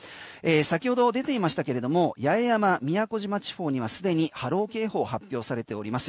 先ほど出ていましたけれども八重山、宮古島地方には既に波浪警報発表されております。